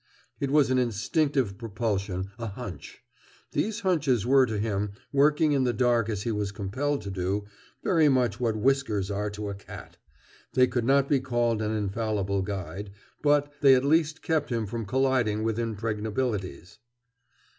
It was an instinctive propulsion, a "hunch." These hunches were to him, working in the dark as he was compelled to, very much what whiskers are to a cat. They could not be called an infallible guide. But they at least kept him from colliding with impregnabilities.